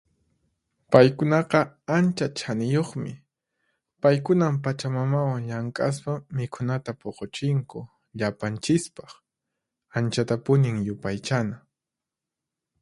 Paykunaqa ancha chaniyuqmi. Paykunan Pachamamawan llank'aspa mikhunata puquchinku llapanchispaq. Anchatapunin yupaychana.